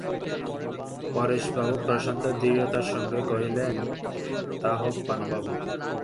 পরেশবাবু প্রশান্ত দৃঢ়তার সঙ্গে কহিলেন, তা হোক পানুবাবু।